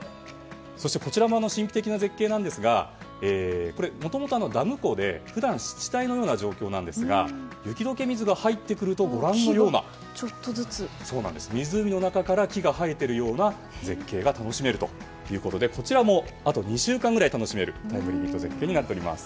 そして、こちらも神秘的な絶景なんですがもともとダム湖で普段、湿地帯のような状況ですが雪解け水が入ってくるとご覧のような湖の中から木が生えているような絶景が楽しめるということで、こちらもあと２週間ぐらい楽しめるタイムリミット絶景になっております。